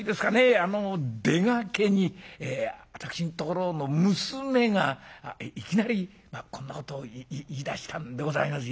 あの出がけに私のところの娘がいきなりこんなことを言いだしたんでございます。